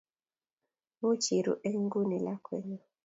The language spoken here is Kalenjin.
Much iru eng nguni lakwenyu